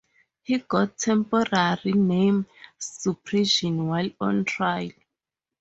He got temporary name suppression while on trial.